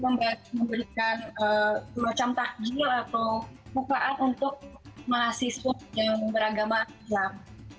memberikan semacam takjil atau bukaan untuk mahasiswa yang beragama islam